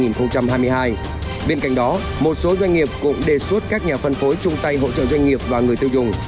bên cạnh đó một số doanh nghiệp cũng đề xuất các nhà phân phối chung tay hỗ trợ doanh nghiệp và người tiêu dùng